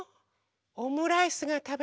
オムライスがたべたい。